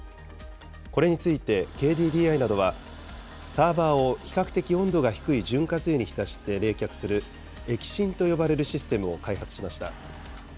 これについてＫＤＤＩなどは、サーバーを比較的温度が低い潤滑油に浸して冷却する、液浸と呼ばれるシステムを開発しました。